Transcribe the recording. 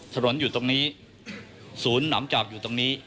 ถนนอยู่ตรงนี้ศูนย์หนำจับอยู่ตรงนี้